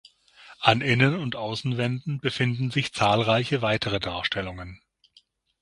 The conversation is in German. An Innen- und Außenwänden befinden sich zahlreiche weitere Darstellungen.